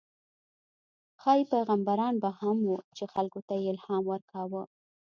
ښايي پیغمبران به هم وو، چې خلکو ته یې الهام ورکاوه.